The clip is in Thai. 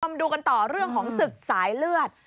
มาดูกันต่อเรื่องของศึกสายเลือด